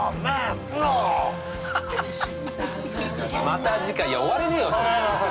また次回いや終われねえよ。